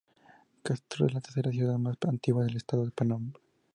Castro es la tercera ciudad más antigua del estado de Paraná.